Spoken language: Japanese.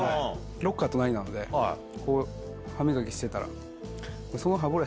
ロッカー隣なのでこう歯磨きしてたら。